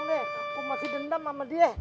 eh aku masih dendam sama dia